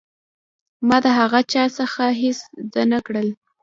ما د هغه چا څخه هېڅ زده نه کړل.